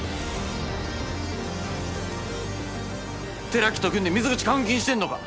寺木と組んで水口監禁してんのか？